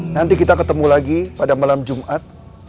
nanti kita ketemu lagi pada malam jumat